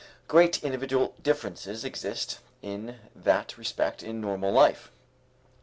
Great individual differences exist in that respect in normal life.